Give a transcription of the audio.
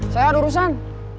saya ada urusan